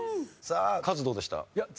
さあカズどうでした？